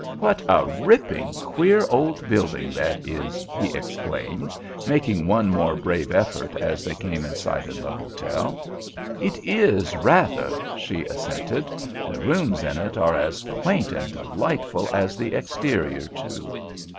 "What a ripping, queer old building that is!" he exclaimed, making one more brave effort as they came in sight of the hotel. "It is, rather," she assented. "The rooms in it are as quaint and delightful as the exterior, too."